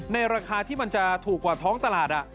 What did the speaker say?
ราคาที่มันจะถูกกว่าท้องตลาด